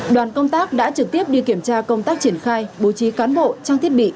đoàn công tác đã trực tiếp đi kiểm tra công tác triển khai bố trí cán bộ trang thiết bị